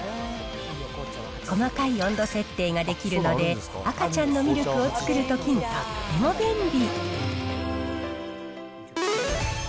細かい温度設定ができるので、赤ちゃんのミルクを作るときにとっても便利。